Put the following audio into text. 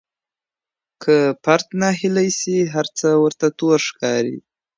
که فرد ناهيلي سي هر څه ورته تور ښکاري.